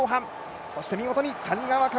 そして見事に谷川翔